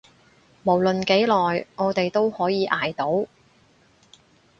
無論幾耐，我哋都可以捱到